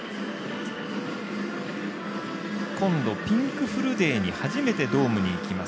今度、ピンクフルデーに初めてドームに行きます！